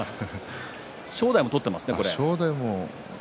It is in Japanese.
正代も取っていますね。